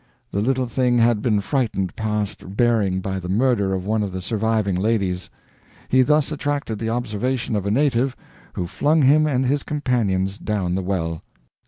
The little thing had been frightened past bearing by the murder of one of the surviving ladies. He thus attracted the observation of a native who flung him and his companions down the well."